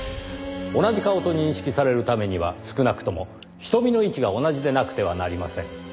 同じ顔と認識されるためには少なくとも瞳の位置が同じでなくてはなりません。